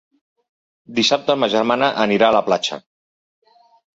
Dissabte ma germana anirà a la platja.